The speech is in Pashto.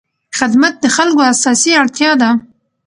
خدمت د خلکو اساسي اړتیا ده.